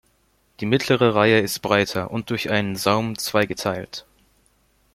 Die mittlere Reihe ist breiter und durch einen Saum zweigeteilt.